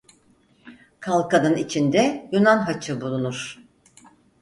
Kalkanın içinde Yunan haçı bulunur.